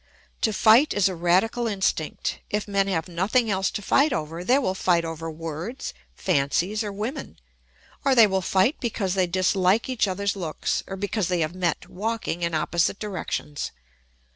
To fight is a radical instinct; if men have nothing else to fight over they will fight over words, fancies, or women, or they will fight because they dislike each other's looks, or because they have met walking in opposite directions.